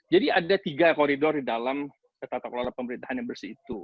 jadi ada tiga koridor di dalam tata kelola pemerintahan yang bersih itu